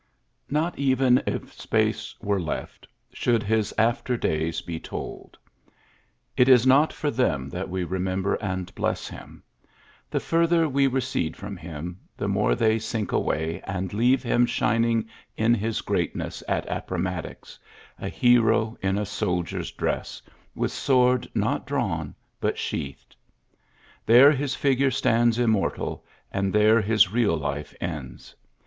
Not even if space were lefty should his after days be told. It is not for them that we remember and bless him. The farther we recede from him, the more i they sink away and leave him shining in his greatness at Appomattox, a hero iQ a soldier's dress, with sword not drawn, but sheathed. There his figure stands immortal, and there his real life ends.